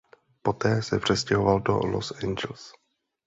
Poté se přestěhoval Los Angeles.